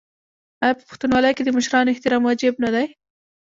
آیا په پښتونولۍ کې د مشرانو احترام واجب نه دی؟